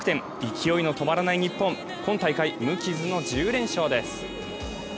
勢いの止まらない日本、今大会、無傷の１０連勝です。